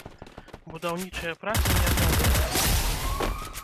Будаўнічыя працы не аднаўляліся.